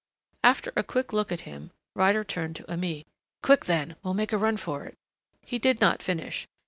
After a quick look down at him Ryder turned to Aimée. "Quick, then. We'll make a run for it " He did not finish.